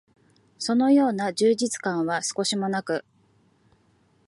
そのような充実感は少しも無く、